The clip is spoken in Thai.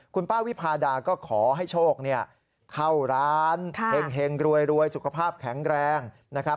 คุณป้าวิพาดาก็ขอให้โชคเข้าร้านเห็งรวยสุขภาพแข็งแรงนะครับ